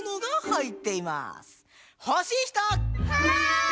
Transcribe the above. はい！